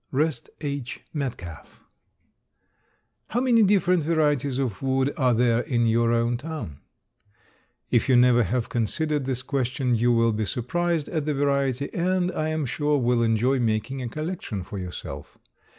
REST H. METCALF. How many different varieties of wood are there in your own town? If you never have considered this question you will be surprised at the variety, and, I am sure, will enjoy making a collection for yourself.